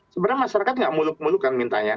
sebenarnya masyarakat nggak muluk mulukan mintanya